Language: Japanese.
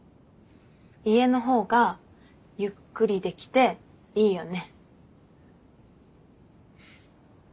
家の方がゆっくりできていいよね。